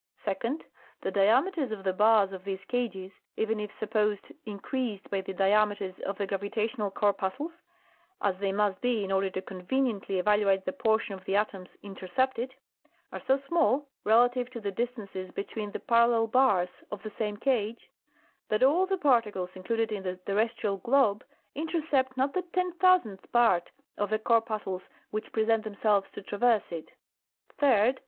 Second. The diameters of the bars of these cages, even if supposed increased by the diameter of the gravitational corpuscles (as they must be in order to conveniently evaluate the portion of the atoms inter cepted), are so small, relative to the distances between the parallel bars of the same cage, that all the particles included in the terrestrial globe intercept not the ten thousandth part of the corpuscles which present themselves to traverse it. Third.